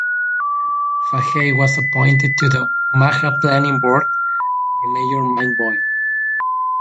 Fahey was appointed to the Omaha Planning Board by Mayor Mike Boyle.